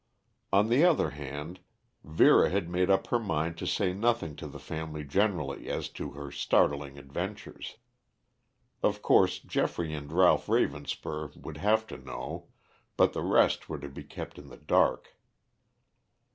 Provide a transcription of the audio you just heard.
On the other hand, Vera had made up her mind to say nothing to the family generally as to her startling adventures. Of course, Geoffrey and Ralph Ravenspur would have to know, but the rest were to be kept in the dark.